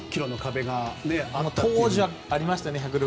当時はありました。